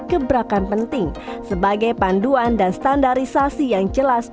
gebrakan penting sebagai panduan dan standarisasi yang jelas